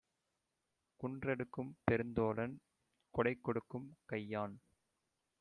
குன்றெடுக்கும் பெருந்தோளான் கொடைகொடுக்கும் கையான்!